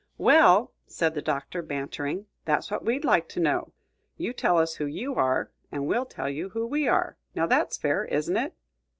"Well," said the Doctor, bantering, "that's what we'd like to know. You tell us who you are, and we'll tell you who we are. Now that's fair, isn't it?"